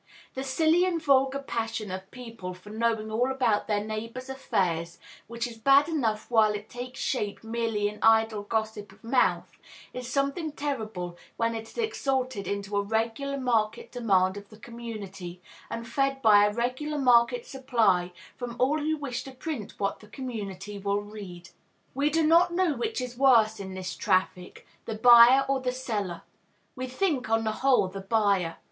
The silly and vulgar passion of people for knowing all about their neighbors' affairs, which is bad enough while it takes shape merely in idle gossip of mouth, is something terrible when it is exalted into a regular market demand of the community, and fed by a regular market supply from all who wish to print what the community will read. We do not know which is worse in this traffic, the buyer or the seller; we think, on the whole, the buyer.